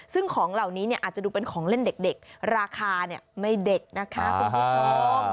ซึ่งของเหล่านี้อาจจะดูเป็นของเล่นเด็กราคาไม่เด็กนะคะคุณผู้ชม